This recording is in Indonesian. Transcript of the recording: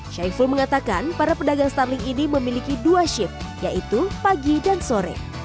syaiful mengatakan para pedagang starling ini memiliki dua shift yaitu pagi dan sore